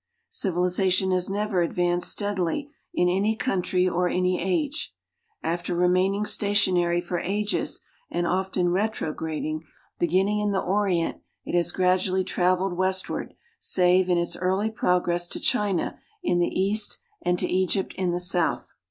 Civilization has never advanced steadily in any country or any age. After remaining stationary for ages and often retrograding, beginning in the Orient it has gradually traveled westward, save in its early progress to China in the east and to Egypt in the south.